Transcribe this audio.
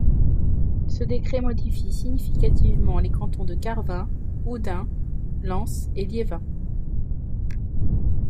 Ce décret modifie significativement les cantons de Carvin, Houdain, Lens et Liévin.